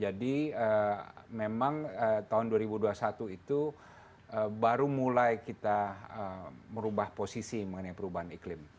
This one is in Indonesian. jadi memang tahun dua ribu dua puluh satu itu baru mulai kita merubah posisi mengenai perubahan iklim